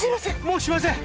もうしません！